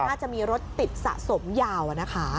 น่าจะมีรถติดสะสมยาวนะคะ